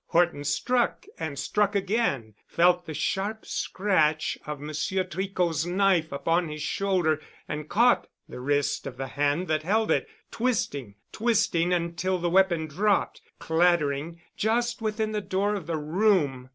Horton struck and struck again, felt the sharp scratch of Monsieur Tricot's knife upon his shoulder, and caught the wrist of the hand that held it, twisting, twisting until the weapon dropped, clattering, just within the door of the room.